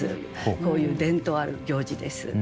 こういう伝統ある行事です。